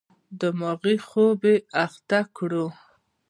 دماغي خوب اخته کړو.